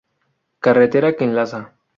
Carretera que enlaza